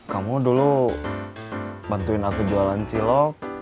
kamu dulu bantuin aku jualan cilok